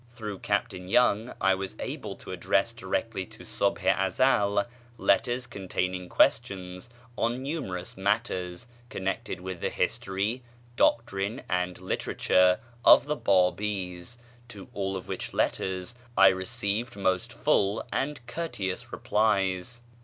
Through Captain Young I was able to address directly to Subh i Ezel letters containing questions on numerous matters connected with the history, doctrine, and literature of the Bábís, to all of which letters I received most full and courteous replies.